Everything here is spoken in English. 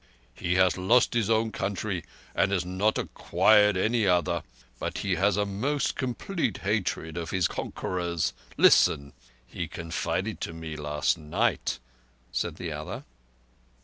"He has lost his own country and has not acquired any other. But he has a most complete hatred of his conquerors. Listen. He confided to me last night," said the other.